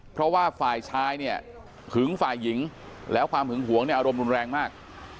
เพราะว่าฝ่ายชายเนี่ยหึงฝ่ายหญิงแล้วความหึงหวงเนี่ยอารมณ์รุนแรงมาก